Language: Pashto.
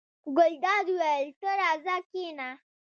ګلداد وویل: ته راځه کېنه.